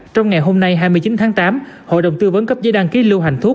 trong ngày hôm nay hai mươi chín tháng tám hội đồng tư vấn cấp giấy đăng ký lưu hành thuốc